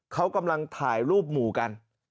เขากำลังถ่ายรูปหมู่กัน